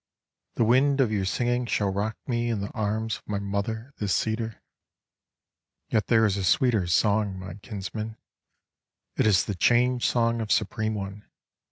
The wind of your singing shall rock meIn the arms of my mother, the cedar. Yet there is a sweeter song, my kinsmen; It is the Change Song of Supreme One.